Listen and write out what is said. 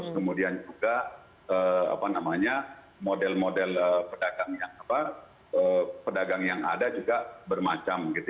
kemudian juga model model pedagang yang ada juga bermacam